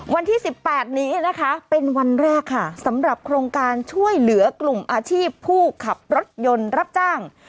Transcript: วันที่๑๘นี้นะคะเป็นวันแรกค่ะสำหรับโครงการช่วยเหลือกลุ่มอาชีพผู้ขับรถยนต์รับจ้าง